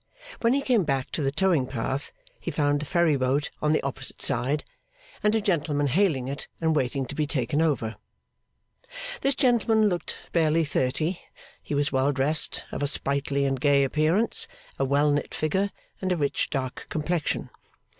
When he came back to the towing path, he found the ferry boat on the opposite side, and a gentleman hailing it and waiting to be taken over. This gentleman looked barely thirty. He was well dressed, of a sprightly and gay appearance, a well knit figure, and a rich dark complexion.